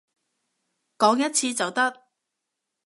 講一次就得